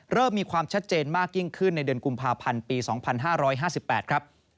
เริ่มมีความชัดเจนมากยิ่งขึ้นในเดือนกุมภาพันธ์ปี๒๕๕๘ครับ